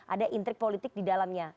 ada intrik politik di dalamnya